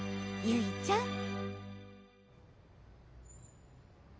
ゆいちゃん